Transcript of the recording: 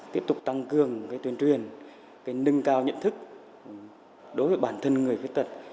tiếp tục tăng cường tuyên truyền nâng cao nhận thức đối với bản thân người khuyết tật